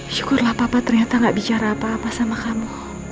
syukurlah papa ternyata gak bicara apa apa sama kamu